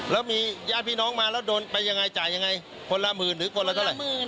แล้วมีญาติพี่น้องมาแล้วโดนไปยังไงจ่ายยังไงคนละหมื่นหรือคนละเท่าไหร่